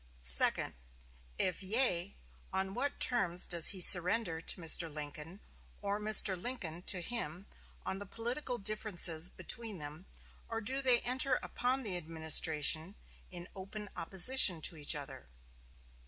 "Second. If yea, on what terms does he surrender to Mr. Lincoln, or Mr. Lincoln to him, on the political differences between them, or do they enter upon the administration in open opposition to each other?"